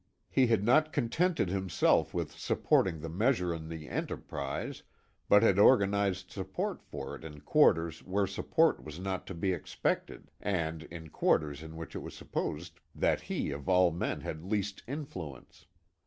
He had not contented himself with supporting the measure in the Enterprise, but had organized support for it in quarters where support was not to be expected, and in quarters in which it was supposed that he of all men had least influence.